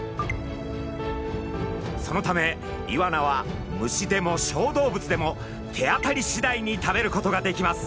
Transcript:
そのためイワナは虫でも小動物でも手当たりしだいに食べることができます。